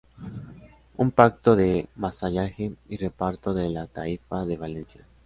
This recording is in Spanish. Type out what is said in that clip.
Un pacto de vasallaje y reparto de la Taifa de Valencia.